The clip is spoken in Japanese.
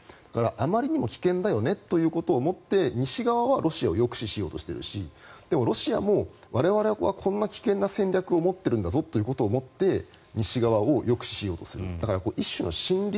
あまりにも危険だよねということをもって西側はロシアを抑止しようとしているしでもロシアも我々はこんな危険な戦略を持っているんだぞということをもって西側を抑止しようとする。